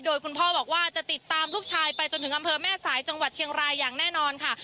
โดยคุณพ่อบอกว่าจะติดตามลูกชายไปจนถึงอำเภอแม่สายจังหวัดเชียงรายอย่างแน่นอนค่ะ